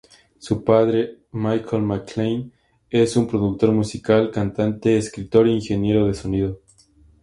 Su padre, Michael McClain, es un productor musical, cantante, escritor e ingeniero de sonido.